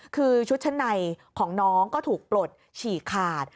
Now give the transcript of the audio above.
คือชุดชั้นในของน้องก็ถูกปลดฉีกขาด